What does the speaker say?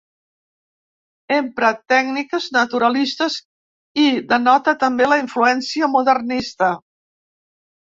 Empra tècniques naturalistes i denota també la influència modernista.